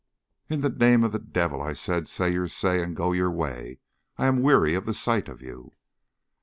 "In the name of the devil," I said, "say your say, and go your way. I am weary of the sight of you."